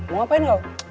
mau ngapain kau